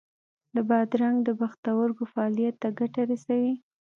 د بادرنګ د پښتورګو فعالیت ته ګټه رسوي.